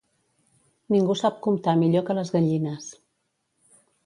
Ningú sap comptar millor que les gallines.